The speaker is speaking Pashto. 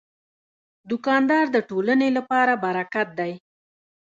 دوکاندار د ټولنې لپاره برکت دی.